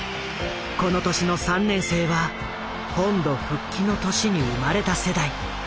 この年の３年生は本土復帰の年に生まれた世代。